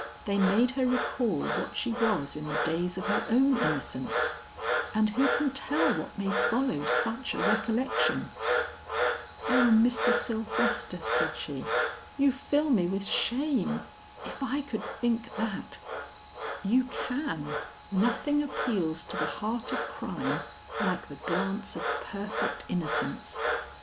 They made her recall what she was in the days of her own innocence; and who can tell what may follow such a recollection." "O Mr. Sylvester," said she, "you fill me with shame. If I could think that " "You can, nothing appeals to the heart of crime like the glance of perfect innocence.